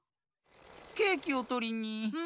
ケーキをとりに。